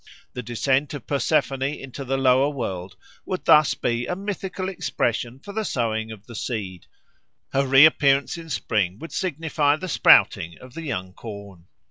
The descent of Persephone into the lower world would thus be a mythical expression for the sowing of the seed; her reappearance in spring would signify the sprouting of the young corn.